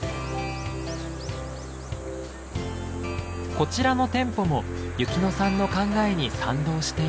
こちらの店舗も由希乃さんの考えに賛同しています。